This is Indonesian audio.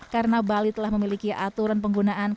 karena bali telah memiliki aturan penggunaan